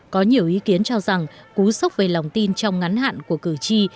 có nhiều ý kiến cho rằng cú sốc về lòng tin trong ngắn hạn của cử tri